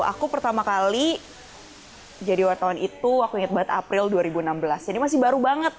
aku pertama kali jadi wartawan itu aku ingat banget april dua ribu enam belas ini masih baru banget